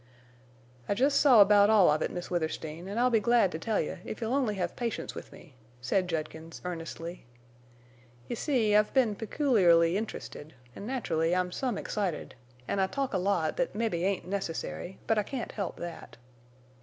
"I jest saw about all of it, Miss Withersteen, an' I'll be glad to tell you if you'll only hev patience with me," said Judkins, earnestly. "You see, I've been pecooliarly interested, an' nat'rully I'm some excited. An' I talk a lot thet mebbe ain't necessary, but I can't help thet.